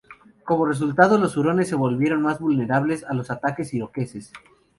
Como resultado, los hurones se volvieron más vulnerables a los ataques iroqueses.